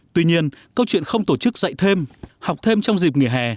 tuy nhiên câu chuyện không tổ chức dạy thêm học thêm trong dịp nghỉ hè